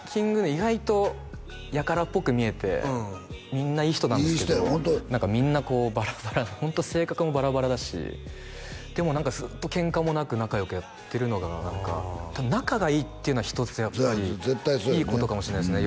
意外と輩っぽく見えてみんないい人なんですけども何かみんなこうバラバラのホント性格もバラバラだしでも何かずっとケンカもなく仲良くやってるのが何か多分仲がいいっていうのは一つやっぱりいいことかもしんないですね